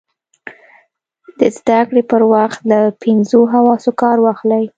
د زده کړې پر وخت له پینځو حواسو کار واخلئ.